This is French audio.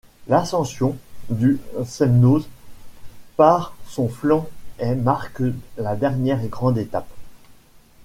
L'ascension du Semnoz par son flanc est marque la dernière grande étape.